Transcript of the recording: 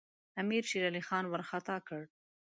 امیر شېرعلي خان وارخطا کړ.